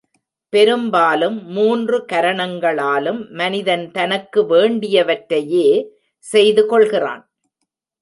பெரும்பாலும் மூன்று கரணங்களாலும் மனிதன் தனக்கு வேண்டியவற்றையே செய்து கொள்கிறான்.